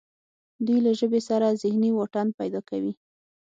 دوی له ژبې سره ذهني واټن پیدا کوي